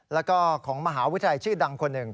แล้วก็ของมหาวิทยาลัยชื่อดังคนหนึ่ง